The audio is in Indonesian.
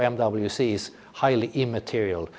hal ini sangat tidak material